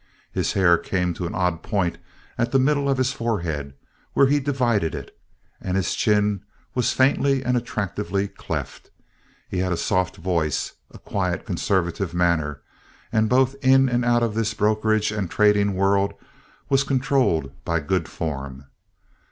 His hair came to an odd point at the middle of his forehead, where he divided it, and his chin was faintly and attractively cleft. He had a soft voice, a quiet, conservative manner, and both in and out of this brokerage and trading world was controlled by good form.